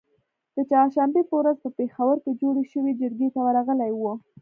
د چهارشنبې په ورځ په پیښور کې جوړی شوې جرګې ته ورغلي وو